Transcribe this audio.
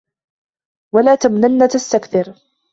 وَلا تَمنُن تَستَكثِرُ